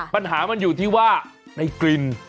ปัญหามันอยู่ที่ว่าในกลิ่น